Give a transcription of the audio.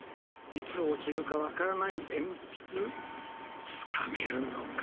いつ落ちるかわからないえんぴつつかめるのか？